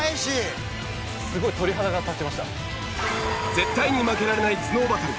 絶対に負けられない頭脳バトル。